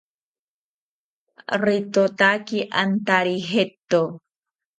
Ritotaki antari jeto